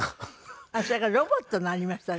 それからロボットのありましたね。